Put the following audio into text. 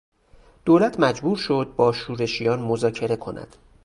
دولت مجبور شد با شورشیان مذاکره کند.